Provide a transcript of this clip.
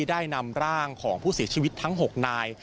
ได้นำร่างของผู้เสียชีวิตทั้ง๖นาย